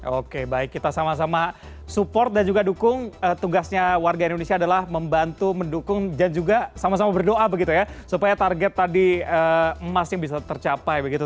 oke baik kita sama sama support dan juga dukung tugasnya warga indonesia adalah membantu mendukung dan juga sama sama berdoa begitu ya supaya target tadi emasnya bisa tercapai begitu